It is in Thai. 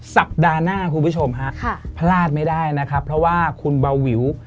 สัปดาห์หน้าคุณผู้ชมฮะพลาดไม่ได้นะครับเพราะว่าคุณเบาวิว